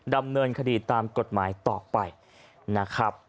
ดำเนินคดีตามกฎหมายต่อไปนะครับ